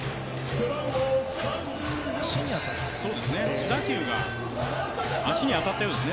自打球が足に当たったようですね。